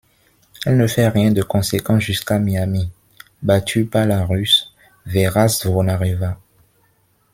Elle ne fait rien de conséquent jusqu'à Miami, battue par la Russe Vera Zvonareva.